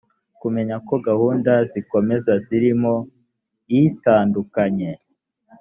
kumenya ko gahunda zikomeza z’imirimo itandukanye